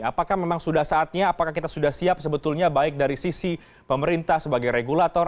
apakah memang sudah saatnya apakah kita sudah siap sebetulnya baik dari sisi pemerintah sebagai regulator